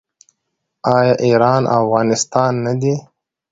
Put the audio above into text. آیا ایران او افغانستان نه دي؟